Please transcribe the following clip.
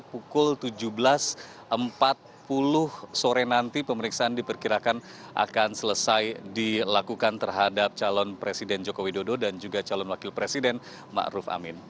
pukul tujuh belas empat puluh sore nanti pemeriksaan diperkirakan akan selesai dilakukan terhadap calon presiden joko widodo dan juga calon wakil presiden ⁇ maruf ⁇ amin